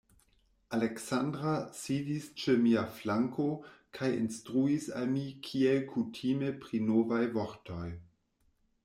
Aleksandra sidis ĉe mia flanko kaj instruis al mi kiel kutime pri novaj vortoj.